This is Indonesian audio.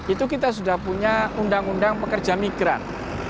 itu kita sudah punya undang undang pekerja migran